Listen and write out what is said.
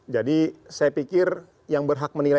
jadi saya pikir yang berharga itu adalah